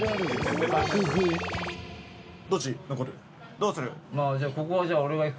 どうする？